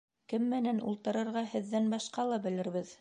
Кем менән ултырырға һеҙҙән башҡа ла белербеҙ.